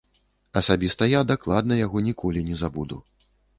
Асабіста я дакладна яго ніколі не забуду.